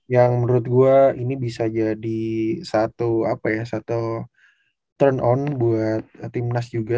yang menurut gue ini bisa jadi satu turn on buat timnas juga